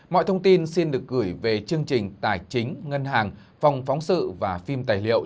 mọi thông tin xin được gửi về chương trình tài chính ngân hàng phòng phóng sự và phim tài liệu